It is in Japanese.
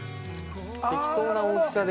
適当な大きさで。